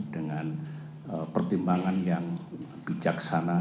dengan pertimbangan yang bijaksana